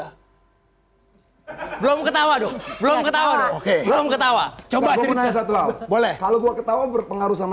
hai belum ketawa dong belum ketawa oke belum ketawa coba coba boleh kalau gue ketawa berpengaruh sama